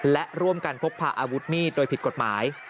และร่วมกันพกพาอาวุธมีดโดยผิดกฎหมาย